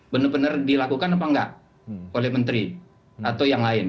benar benar dilakukan apa enggak oleh menteri atau yang lain